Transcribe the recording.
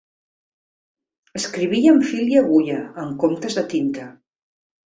Escrivia amb fil i agulla, en comptes de tinta.